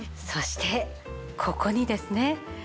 そしてここにですね